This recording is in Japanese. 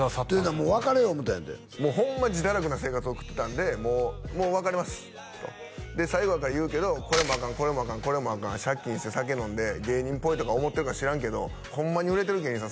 もう別れよう思うたんやってもうホンマ自堕落な生活送ってたんでもう別れますとで最後やから言うけどこれもアカンこれもアカンこれもアカン借金して酒飲んで芸人っぽいとか思ってるか知らんけどホンマに売れてる芸人さん